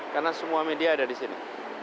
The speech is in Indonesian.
karena semua media ada di sini